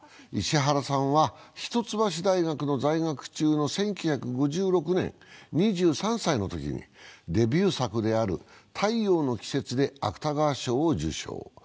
石原さんは、一橋大学の在学中の１９５６年２３歳のときにデビュー作である「太陽の季節」で芥川賞を受賞。